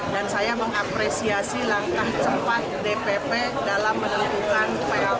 dan saya mengapresiasi langkah cepat dpp dalam menentukan plt ketua umum